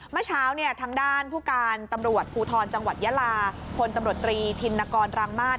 เมื่อเช้าเนี่ยทางด้านผู้การปูธรจังหวัดยาลาคนตำหรับตรีธินกรรมาศ